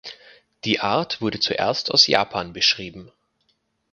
Die Art wurde zuerst aus Japan beschrieben.